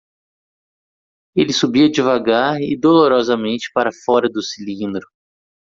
Ele subia devagar e dolorosamente para fora do cilindro.